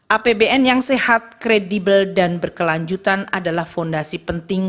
apbn yang sehat kredibel dan berkelanjutan adalah fondasi penting